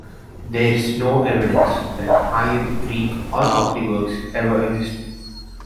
There is no evidence that either the Greek or Coptic works ever existed.